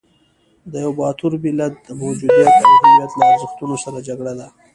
د یوه باتور ملت د موجودیت او هویت له ارزښتونو سره جګړه ده.